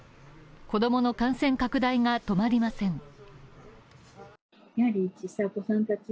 子供の感染拡大が止まりません。